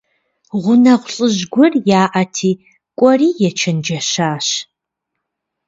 Гъунэгъу лӀыжь гуэр яӀэти, кӀуэри ечэнджэщащ.